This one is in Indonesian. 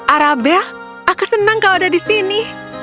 arabel aku senang kau ada di sini